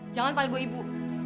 jangan palgo ibu